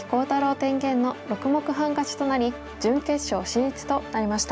天元の６目半勝ちとなり準決勝進出となりました。